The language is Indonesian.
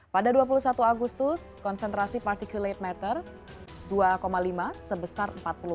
pada dua puluh satu agustus konsentrasi particulate matter dua lima sebesar empat puluh lima